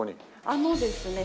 あのですね